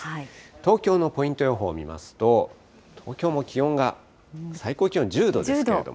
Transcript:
東京のポイント予報見ますと、東京も気温が、最高気温１０度ですけれども。